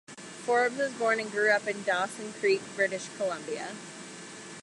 Forbes was born and grew up in Dawson Creek, British Columbia.